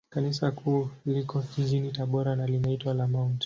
Kanisa Kuu liko jijini Tabora, na linaitwa la Mt.